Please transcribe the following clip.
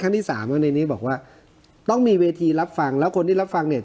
ที่สามแล้วในนี้บอกว่าต้องมีเวทีรับฟังแล้วคนที่รับฟังเนี่ย